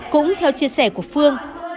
cũng theo chia sẻ của phương